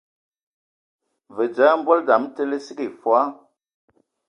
Vǝ da mbol dzam te lǝ sǝ kig fɔɔ.